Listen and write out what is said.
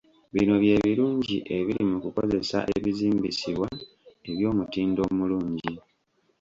Bino bye birungi ebiri mu kukozesa ebizimbisibwa eby'omutindo omulungi.